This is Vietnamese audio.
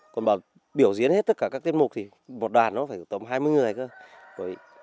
còn biểu diễn hết tất cả các tiết mục thì một đoàn nó phải tổng hai mươi người thôi